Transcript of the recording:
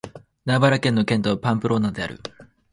ナバーラ県の県都はパンプローナである